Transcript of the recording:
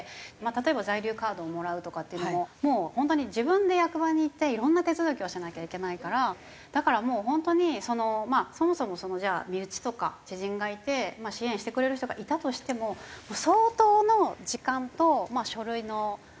例えば在留カードをもらうとかっていうのも本当に自分で役場に行っていろんな手続きをしなきゃいけないからだから本当にそもそも身内とか知人がいて支援してくれる人がいたとしても相当の時間と書類のさばきがあって。